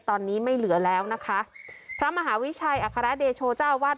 ตอนนี้ไม่เหลือแล้วนะคะพระมหาวิชัยอัครเดโชเจ้าวาด